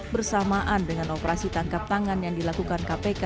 bersamaan dengan operasi tangkap tangan yang dilakukan kpk